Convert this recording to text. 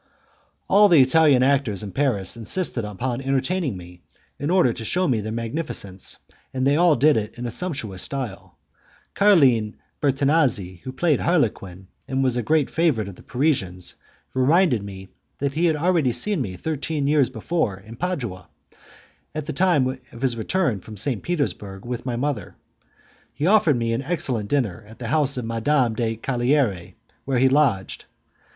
All the Italian actors in Paris insisted upon entertaining me, in order to shew me their magnificence, and they all did it in a sumptuous style. Carlin Bertinazzi who played Harlequin, and was a great favourite of the Parisians, reminded me that he had already seen me thirteen years before in Padua, at the time of his return from St. Petersburg with my mother. He offered me an excellent dinner at the house of Madame de la Caillerie, where he lodged.